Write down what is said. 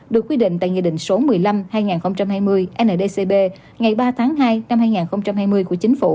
được quy định tại nghị định số một mươi năm hai nghìn hai mươi ndcb ngày ba tháng hai năm hai nghìn hai mươi của chính phủ